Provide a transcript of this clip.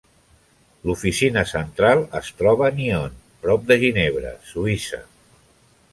L'oficina central es troba a Nyon, prop de Ginebra, Suïssa.